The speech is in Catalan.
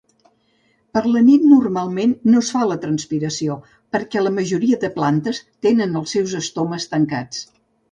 Per la nit normalment no es fa la transpiració, perquè la majoria de plantes tenen els seus estomes tancats.